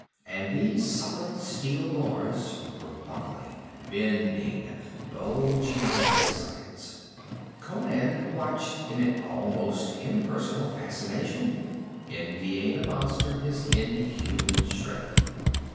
And these solid steel bars were buckling, bending, bulging out of their sockets. Conan watched in an almost impersonal fascination, envying the monster his inhuman strength.